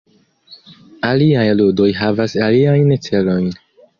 Aliaj ludoj havas aliajn celojn.